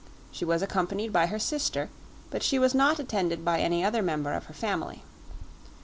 She was accompanied by her sister, but she was not attended by any other member of her family.